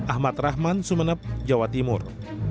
ahmad rahman sumeneb jawa timur